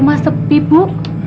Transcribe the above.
bapak sudah pergi kerja